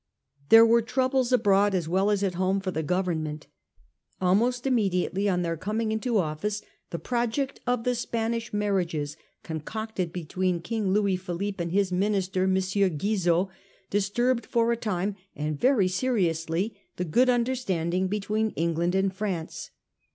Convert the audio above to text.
There were troubles abroad as well as at home for the Government. Alm ost immediately on their coming into office, the project of the Spanish Marriages, con cocted between King Louis Philippe and his minister, M. Guizot, disturbed for a time and very seriously the good understanding between England and France.